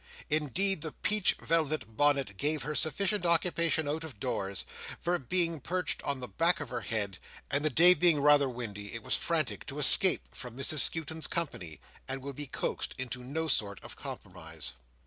Indeed, the peach velvet bonnet gave her sufficient occupation out of doors; for being perched on the back of her head, and the day being rather windy, it was frantic to escape from Mrs Skewton's company, and would be coaxed into no sort of compromise.